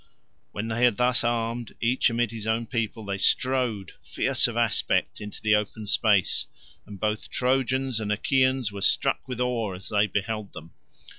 When they had thus armed, each amid his own people, they strode fierce of aspect into the open space, and both Trojans and Achaeans were struck with awe as they beheld them.